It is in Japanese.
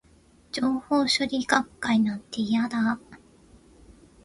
情報処理学会なんて、嫌だー